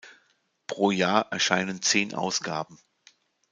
Pro Jahr erscheinen zehn Ausgaben.